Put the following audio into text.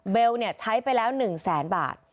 เบลใช้ไปแล้ว๑๐๐๐๐๐บาท